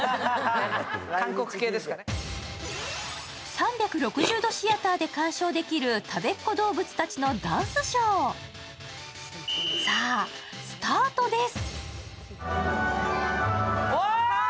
３６０度シアターで鑑賞できるたべっ子どうぶつたちのダンスショー、さぁ、スタートです。